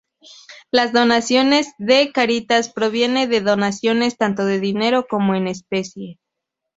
La financiación de Cáritas proviene de donaciones tanto de dinero como en especie.